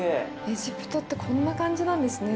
エジプトってこんな感じなんですね。